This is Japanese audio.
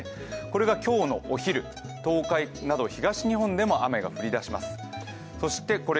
これが今日のお昼、東海など東日本でも雨が降り出します。